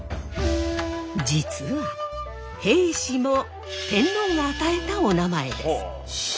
実は平氏も天皇が与えたおなまえです。